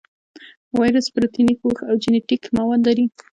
وایرس پروتیني پوښ او جینیټیک مواد لري.